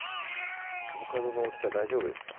アボカドの大きさ大丈夫ですか？